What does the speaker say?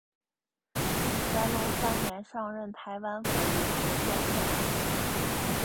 乾隆三年上任台湾府儒学教授。